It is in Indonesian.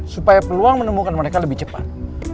supaya peluang menemukan mereka lebih cepat